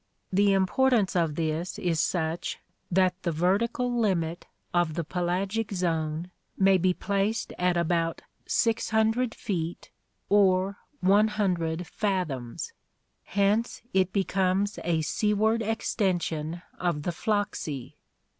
The importance of this is such that the vertical limit of the pelagic zone may be placed at about 600 feet or 100 fathoms; hence it becomes a seaward exten sion of the Flachsee.